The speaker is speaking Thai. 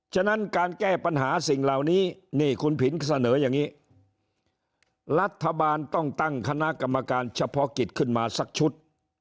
ฉะนั้นการแก้ปัญหาสิ่งเหล่านี้นี่คุณผินเสนออย่างนี้รัฐบาลต้องตั้งคณะกรรมการเฉพาะกิจขึ้นมาสักชุด